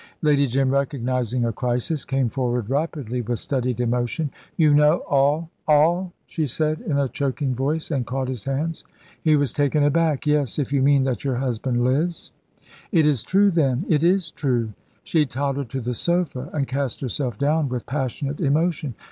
Lady Jim, recognising a crisis, came forward rapidly with studied emotion. "You know all all," she said in a choking voice, and caught his hands. He was taken aback. "Yes, if you mean that your husband lives." "It is true, then it is true"; she tottered to the sofa, and cast herself down with passionate emotion.